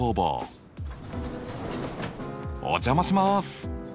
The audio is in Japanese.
お邪魔します。